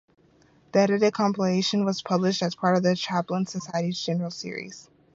This edited compilation was published as part of the Champlain Society's General Series.